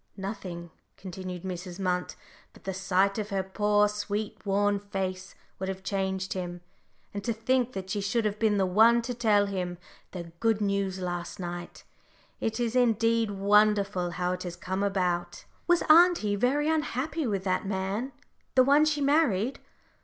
"Nothing," continued Mrs. Munt, "but the sight of her poor, sweet, worn face would have changed him, and to think that she should have been the one to tell him the good news last night it is indeed wonderful how it has come about." "Was auntie very unhappy with that man the one she married?"